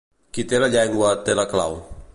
Qui té la llengua, té la clau.